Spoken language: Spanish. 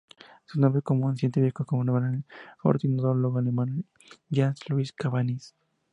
Su nombre común y científico conmemoran al ornitólogo alemán Jean Louis Cabanis.